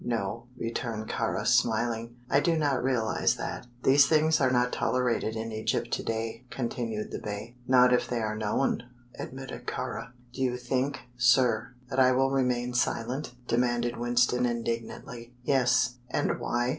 "No," returned Kāra, smiling; "I do not realize that." "These things are not tolerated in Egypt to day," continued the Bey. "Not if they are known," admitted Kāra. "Do you think, sir, that I will remain silent?" demanded Winston, indignantly. "Yes." "And why?"